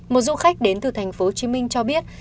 một du khách đến từ tp hcm cho biết